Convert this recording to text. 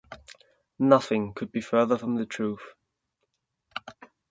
Nothing could be further from the truth.